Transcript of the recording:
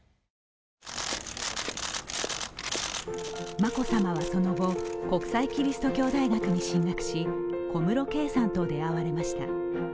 眞子さまはその後、国際基督教大学に進学し、小室圭さんと出会われました。